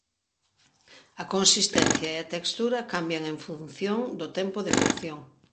A consistencia e a textura cambian en función do tempo de cocción.